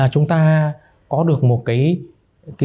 chúng ta có được một cái